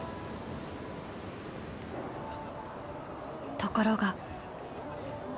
ところが。